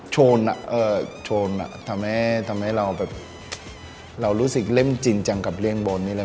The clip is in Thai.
โชนทำให้เรารู้สึกเริ่มจริงจังกับเล่นบอลนี่แหละ